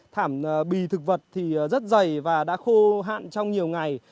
thảm bì thực vật thì rất dày và đã khô hạn trong nhiều ngày